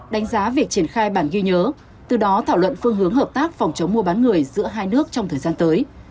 đánh giá việc triển khai bản ghi nhớ từ đó thảo luận phương hướng hợp tác phòng chống mua bán người giữa hai nước trong thời gian tới